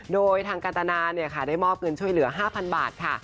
โดยทางกาตนาได้มอบเงินช่วยเหลือ๕๐๐บาทค่ะ